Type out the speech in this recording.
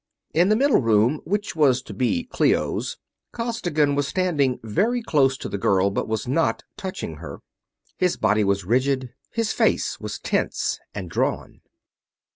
In the middle room, which was to be Clio's, Costigan was standing very close to the girl, but was not touching her. His body was rigid, his face was tense and drawn.